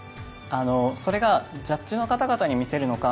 それがジャッジの方々に見せるのか